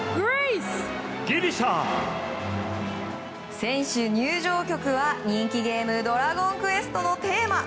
選手入場曲は人気ゲーム「ドラゴンクエスト」のテーマ。